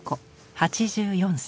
８４歳。